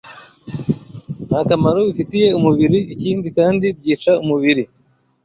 Nta kamaro bifitiye umubiri, ikindi kandi byica umubiri